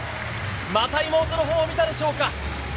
また妹のほうを見たでしょうか。